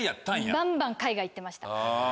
バンバン海外行ってました。